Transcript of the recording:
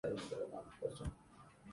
اپنی مشقِ ستم سے ہاتھ نہ کھینچ